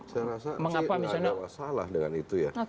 saya rasa enggak ada masalah dengan itu ya